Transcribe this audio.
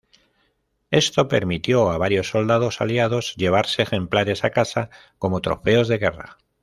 Esto permitió a varios soldados Aliados llevarse ejemplares a casa como trofeos de guerra.